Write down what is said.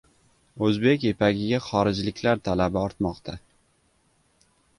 O‘zbek ipagiga xorijliklar talabi ortmoqda